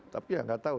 tapi ya nggak tahu